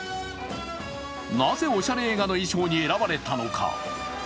なぜおしゃれ映画の衣装に選ばれたのか。